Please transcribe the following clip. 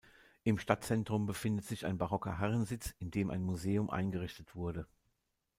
Im Stadtzentrum befindet sich ein barocker Herrensitz, in dem ein Museum eingerichtet wurde.